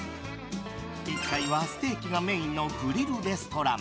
１階はステーキがメインのグリルレストラン。